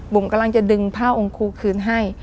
กำลังจะดึงผ้าองค์ครูคืนให้